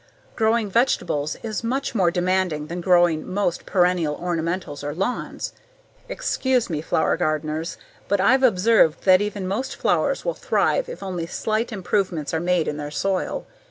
Growing vegetables is much more demanding than growing most perennial ornamentals or lawns. Excuse me, flower gardeners, but I've observed that even most flowers will thrive if only slight improvements are made in their soil.